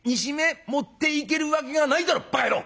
持っていけるわけがないだろばか野郎！」。